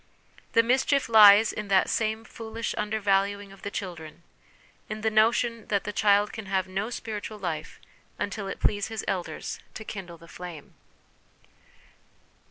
The mischief lies in that same foolish undervaluing of the children, in the notion that the child can have no spiritual life until it please his ciders to kindle the flame.